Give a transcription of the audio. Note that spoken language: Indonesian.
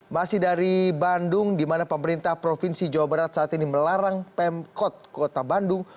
masih dari bandung di mana pemerintah provinsi jawa barat saat ini melarang pemkot kota bandung